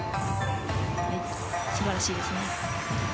素晴らしいですね。